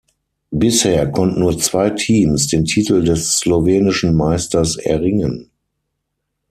Bisher konnten nur zwei Teams den Titel des Slowenischen Meisters erringen.